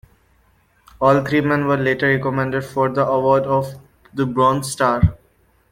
All three men were later recommended for the award of the Bronze Star.